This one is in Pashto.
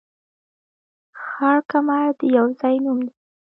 خړ کمر د يو ځاى نوم دى